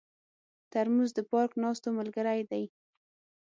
ترموز د پارک ناستو ملګری دی.